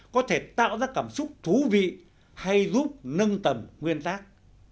có thể tạo ra cảm xúc thú vị hay giúp nâng tầm nguyên tác